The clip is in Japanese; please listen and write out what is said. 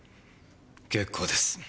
結構です！